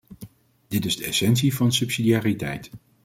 Dit is de essentie van subsidiariteit.